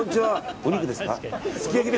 お肉ですか。